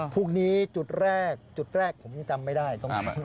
พรุ่งนี้จุดแรกผมยังจำไม่ได้